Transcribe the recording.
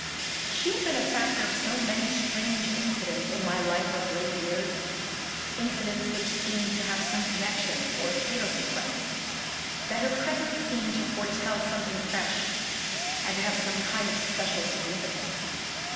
She had been a factor of so many strange incidents in my life of late years incidents which seemed to have some connection or fatal sequence that her presence seemed to foretell something fresh, and to have some kind of special significance.